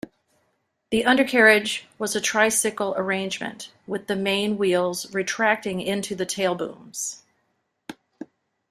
The undercarriage was a tricycle arrangement, with the main wheels retracting into the tailbooms.